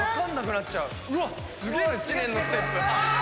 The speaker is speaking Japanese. すげえな知念のステップ。